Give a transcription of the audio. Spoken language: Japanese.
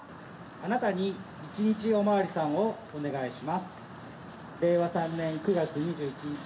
あなたに一日おまわりさんをお願いします。